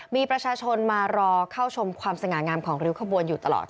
มีประชาชนมารอเข้าชมความสง่างามของริ้วขบวนอยู่ตลอด